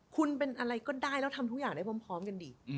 คุณเป็นอะไรก็ได้แล้วทำทุกอย่างได้พร้อมกันดี